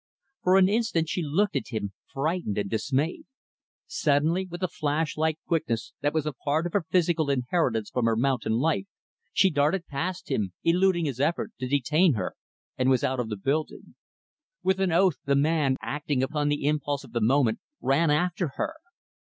For an instant, she looked at him frightened and dismayed. Suddenly, with the flash like quickness that was a part of her physical inheritance from her mountain life, she darted past him; eluding his effort to detain her and was out of the building. With an oath, the man, acting upon the impulse of the moment, ran after her.